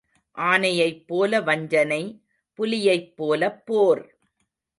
ஆனையைப் போல வஞ்சனை புலியைப் போலப் போர்.